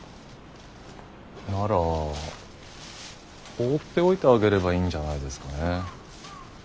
なら放っておいてあげればいいんじゃないですかね。